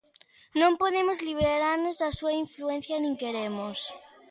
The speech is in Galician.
Non podemos liberarnos da súa influencia, nin queremos.